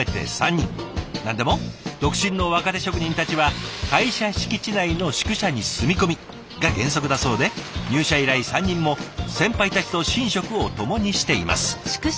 何でも独身の若手職人たちは会社敷地内の宿舎に住み込みが原則だそうで入社以来３人も先輩たちと寝食を共にしています。